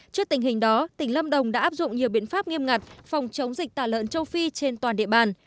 trước tình hình đó tỉnh lâm đồng đã áp dụng nhiều biện pháp nghiêm ngặt phòng chống dịch tả lợn châu phi trên toàn địa bàn